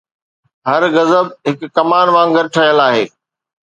هر غضب هڪ ڪمان وانگر ٺهيل آهي